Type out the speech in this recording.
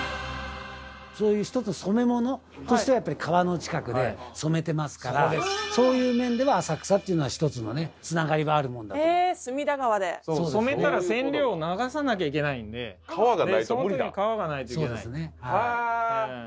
そういうひとつ染め物としてはやっぱり川の近くで染めてますからそういう面では浅草っていうのはひとつのねつながりがあるものだとへえ隅田川で染めたら染料を流さなきゃいけないんで川がないと無理だその時に川がないといけないそうですねへえ